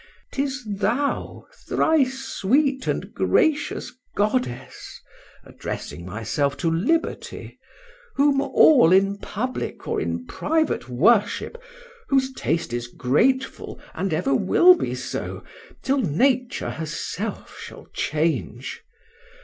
—'Tis thou, thrice sweet and gracious goddess, addressing myself to Liberty, whom all in public or in private worship, whose taste is grateful, and ever will be so, till Nature herself shall change.